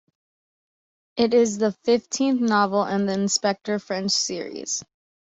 It is the fifteenth novel in the Inspector French series.